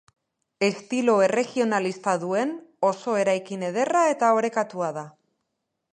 Estilo erregionalista duen oso eraikin ederra eta orekatua da.